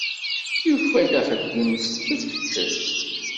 Yufa-d axeddim s tefses.